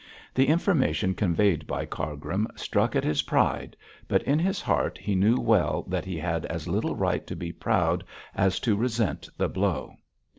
The information conveyed by Cargrim struck at his pride, but in his heart he knew well that he had as little right to be proud as to resent the blow.